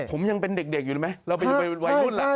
ผมยังเป็นเด็กอยู่ด้วยมั้ยเราเป็นวัยรุ่นล่ะ